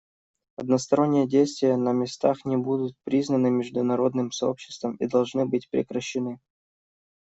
Односторонние действия на местах не будут признаны международным сообществом и должны быть прекращены.